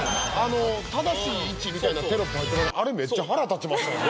「正しい位置」みたいなテロップあれめっちゃ腹立ちますわ。